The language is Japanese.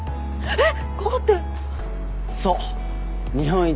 えっ？